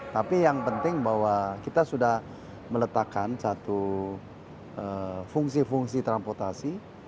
tapi yang penting bahwa kita sudah meletakkan satu fungsi fungsi transportasi